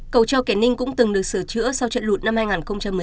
cầu treo kẻ ninh cũng từng được sửa chữa sau trận lũt năm hai nghìn một mươi sáu